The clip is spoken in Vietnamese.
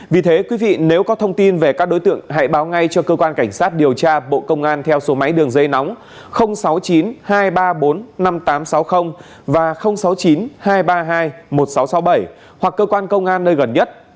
vì thế quý vị nếu có thông tin về các đối tượng hãy báo ngay cho cơ quan cảnh sát điều tra bộ công an theo số máy đường dây nóng sáu mươi chín hai trăm ba mươi bốn năm nghìn tám trăm sáu mươi và sáu mươi chín hai trăm ba mươi hai một nghìn sáu trăm sáu mươi bảy hoặc cơ quan công an nơi gần nhất